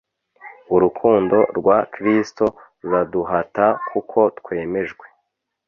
Urukundo rwa Kristo ruraduhata kuko twemejwe